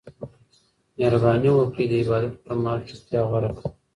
مهرباني وکړئ د عبادت پر مهال چوپتیا غوره کړئ.